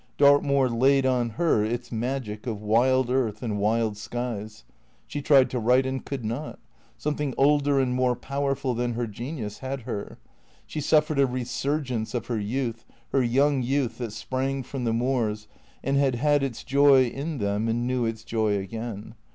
Dartmoor laid on her its magic of wild earth and wild skies. She tried to write and could not. Something older and more powerful than her genius had her. She suffered a resurgence of her youth, her young youth that sprang from the moors, and had had its joy in them and knew its joy again.